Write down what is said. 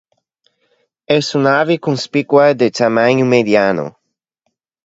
Es un ave conspicua de tamaño mediano.